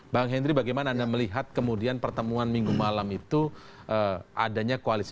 bang henry bagaimana anda melihat kemudian pertemuan minggu malam itu adanya koalisi